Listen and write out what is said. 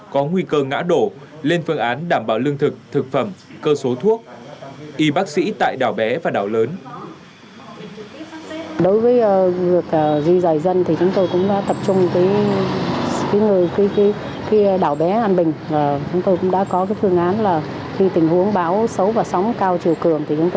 có nguy cơ ngăn chặn đảm bảo an toàn tính mạng tài sản cho người dân